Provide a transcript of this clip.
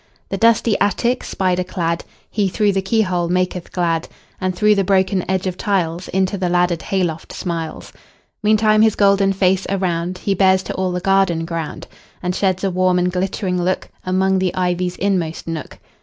The dusty attic spider cladHe, through the keyhole, maketh glad; And through the broken edge of tiles, Into the laddered hay loft smiles. Meantime his golden face aroundHe bears to all the garden ground, And sheds a warm and glittering lookAmong the ivy's inmost nook.